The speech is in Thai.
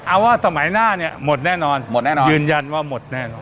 เอาว่าสมัยหน้าเนี่ยหมดแน่นอนหมดแน่นอนยืนยันว่าหมดแน่นอน